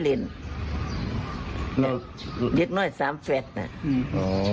เล็กน้อยสามแฝดเนี่ย